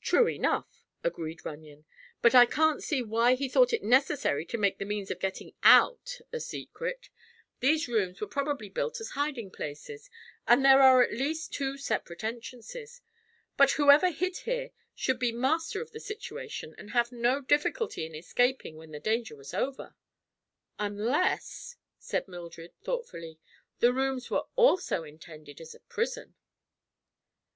"True enough," agreed Runyon; "but I can't see why he thought it necessary to make the means of getting out a secret. These rooms were probably built as hiding places, and there are at least two separate entrances. But whoever hid here should be master of the situation and have no difficulty in escaping when the danger was over." "Unless," said Mildred, thoughtfully, "the rooms were also intended as a prison."